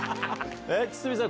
堤さん